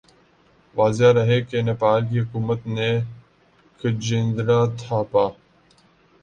واضح رہے کہ نیپال کی حکومت نے کھجیندرا تھاپا